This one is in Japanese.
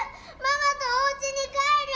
ママとおうちに帰る！